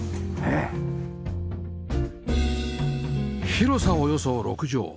広さおよそ６畳